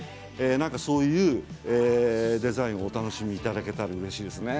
そういうデザインをお楽しみいただけたらうれしいですね。